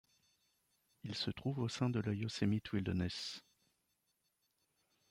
Il se trouve au sein de la Yosemite Wilderness.